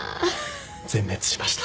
全滅しました。